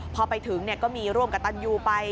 พอไปถึงก็มีร่วมกับตันยูไป